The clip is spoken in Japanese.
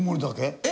えっ？